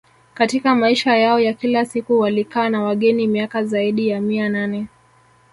Katika maisha yao ya kila siku walikaa na wageni miaka zaidi ya mia nane